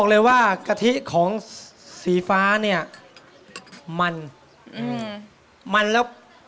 หวานไปนิดหนึ่ง